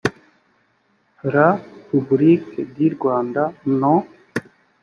r publique du rwanda no